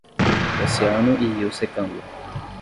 Oceano e rio secando